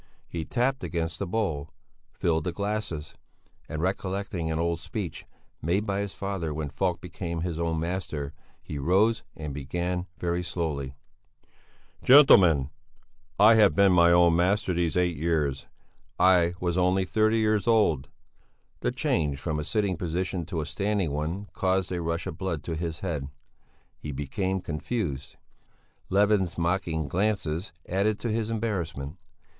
He tapped against the bowl, filled the glasses, and recollecting an old speech, made by his father when Falk became his own master, he rose and began, very slowly: "Gentlemen! I have been my own master these eight years; I was only thirty years old...." The change from a sitting position to a standing one caused a rush of blood to his head; he became confused; Levin's mocking glances added to his embarrassment.